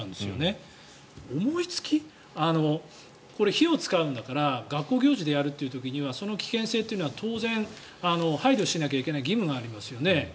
これ、火を使うんだから学校行事でやるという時にはその危険性というのは当然配慮しないといけない義務がありますよね。